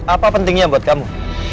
apa pentingnya buat kamu